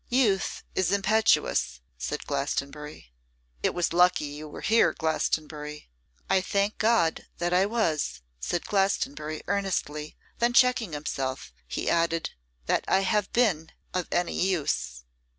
'Youth is impetuous,' said Glastonbury. 'It was lucky you were here, Glastonbury.' 'I thank God that I was,' said Glastonbury, earnestly; then checking himself, he added, 'that I have been of any use.